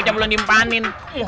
cuman belom dimpanin